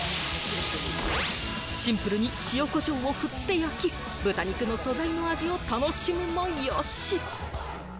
シンプルに塩コショウを振って焼き、豚肉の素材の味を楽しむもよし。